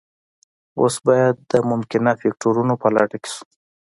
اوس باید د ممکنه فکتورونو په لټه کې شو